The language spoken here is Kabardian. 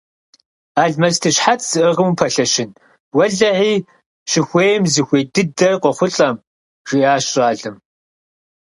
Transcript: Алмэсты щхьэц зыӀыгъым упэлъэщын, – уэлэхьи, щыхуейм зыхуей дыдэр къохъулӀэм, – жиӀащ щӀалэм.